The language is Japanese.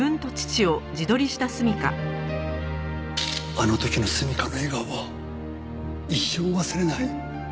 あの時の純夏の笑顔は一生忘れない。